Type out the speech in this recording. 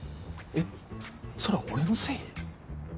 えっそれ俺のせい？